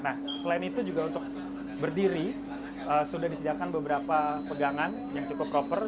nah selain itu juga untuk berdiri sudah disediakan beberapa pegangan yang cukup proper